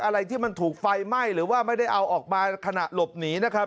อะไรที่มันถูกไฟไหม้หรือว่าไม่ได้เอาออกมาขณะหลบหนีนะครับ